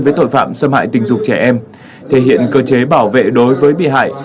với tội phạm xâm hại tình dục trẻ em thể hiện cơ chế bảo vệ đối với bị hại